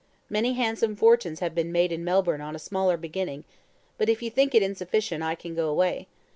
Many handsome fortunes have been made in Melbourne on a smaller beginning; but if you think it insufficient, I can go away.